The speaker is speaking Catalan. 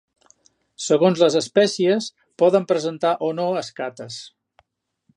Segons les espècies, poden presentar o no escates.